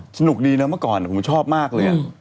สนุกดีนะเมื่อก่อนผมชอบมากเลย